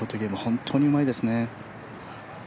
本当にうまいですね。